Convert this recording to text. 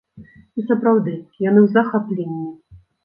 І, сапраўды, яны ў захапленні.